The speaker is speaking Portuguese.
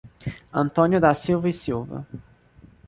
Antônio da Silva E Silva